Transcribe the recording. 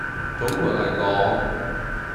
總括黎講